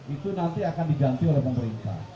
itu nanti akan diganti oleh pemerintah